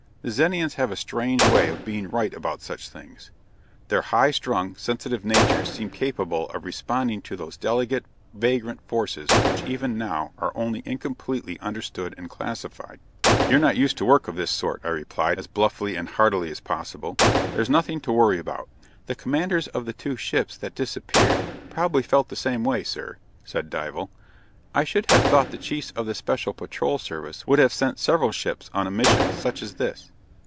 The Zenians have a strange way of being right about such things; their high strung, sensitive natures seem capable of responding to those delicate, vagrant forces which even now are only incompletely understood and classified. "You're not used to work of this sort," I replied, as bluffly and heartily as possible. "There's nothing to worry about." "The commanders of the two ships that disappeared probably felt the same way, sir," said Dival. "I should have thought the Chiefs of the Special Patrol Service would have sent several ships on a mission such as this."